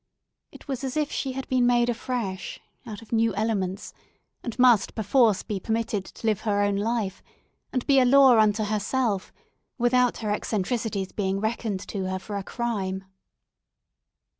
It was as if she had been made afresh out of new elements, and must perforce be permitted to live her own life, and be a law unto herself without her eccentricities being reckoned to her for a crime.